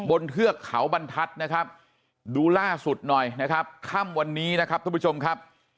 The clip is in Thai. เทือกเขาบรรทัศน์นะครับดูล่าสุดหน่อยนะครับค่ำวันนี้นะครับทุกผู้ชมครับ